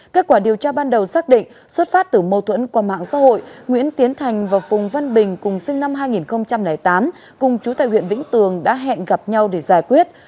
kết quả điều tra ban đầu xác định xuất phát từ mâu thuẫn qua mạng xã hội nguyễn tiến thành và phùng văn bình cùng sinh năm hai nghìn tám cùng chú tại huyện vĩnh tường đã hẹn gặp nhau để giải quyết